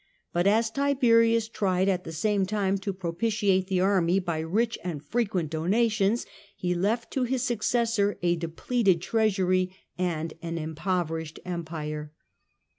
But as Tiberius tried at the same time to propitiate the army by rich and frequent donations, he left to his successor a depleted treasury and an impoverished Empire.